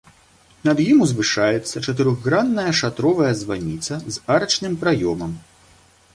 Над ім узвышаецца чатырохгранная шатровая званіца з арачным праёмам.